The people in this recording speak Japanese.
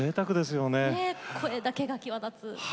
声だけが際立つ。